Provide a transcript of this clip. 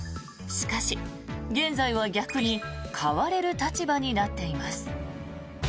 しかし、現在は逆に買われる立場になっています。